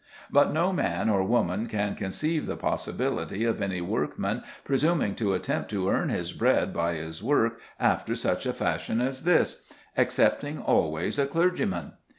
But no man or woman can conceive the possibility of any workman presuming to attempt to earn his bread by his work after such a fashion as this, excepting always a clergyman.